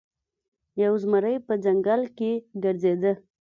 یو زمری په ځنګل کې ګرځیده.